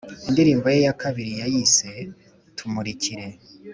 Indirimbo ye ya kabiri yayise Tumurikire